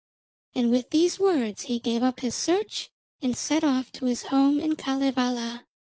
And with these words he gave up his search and set off to his home in Kalevala.